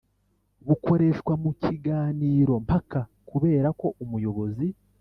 bukoreshwa mu kiganiro mpaka, kubera ko umuyobozi